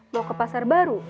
mau ke pasar baru